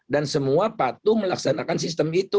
dan semua patuh melaksanakan sistem itu